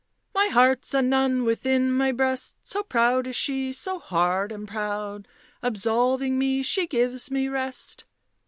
" My heart's a nun within my breast. So proud is she, so hard and proud, Absolving me, she gives me rest